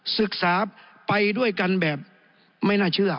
ศึกษาไปด้วยกันแบบไม่น่าเชื่อ